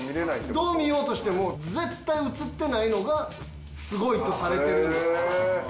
どう見ようとしても絶対映ってないのがすごいとされてるんですって。